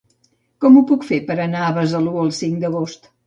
Com ho puc fer per anar a Besalú el cinc d'agost?